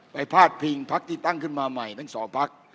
ไปภาดพิงพัคที่ตั้งขึ้นมาใหม่เนื้อศพค